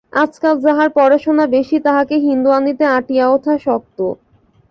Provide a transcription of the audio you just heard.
আজকাল যাহার পড়াশুনা বেশি, তাহাকে হিন্দুয়ানিতে আঁটিয়া ওঠা শক্ত।